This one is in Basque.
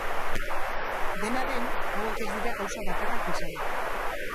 Dena den, hauek ez dira gauza bakarrak izango.